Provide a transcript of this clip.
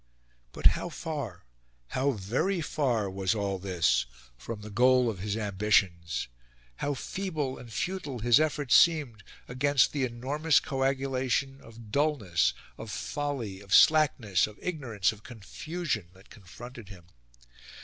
But how far, how very far, was all this from the goal of his ambitions! How feeble and futile his efforts seemed against the enormous coagulation of dullness, of folly, of slackness, of ignorance, of confusion that confronted him!